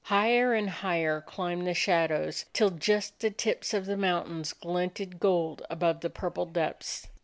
Higher and higher climbed the shadows till just the tips of the mountains glinted gold above the purple depths.